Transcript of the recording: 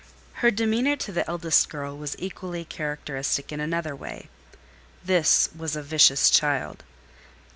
Her demeanour to the eldest girl was equally characteristic in another way. This was a vicious child.